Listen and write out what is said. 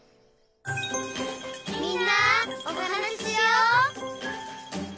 「みんなおはなししよう」